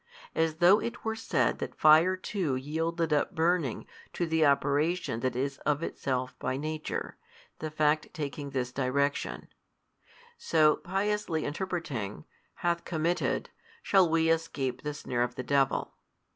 As though it were said that fire too yielded up burning to the operation that is of itself by nature, the fact taking this direction: so piously interpreting, Hath committed, shall we escape the snare of the devil.